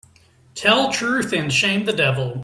Tell truth and shame the devil